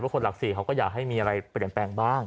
คนหลัก๔เขาก็อยากให้มีอะไรเปลี่ยนแปลงบ้าง